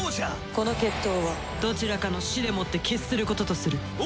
この決闘はどちらかの死でもって決することとする。